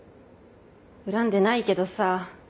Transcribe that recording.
恨んでないけどさ。